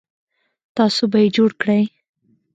تاسو به یې جوړ کړئ